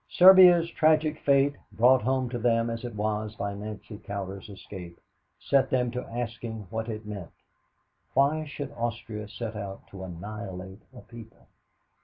Serbia's tragic fate, brought home to them as it was by Nancy Cowder's escape, set them to asking what it meant. Why should Austria set out to annihilate a people?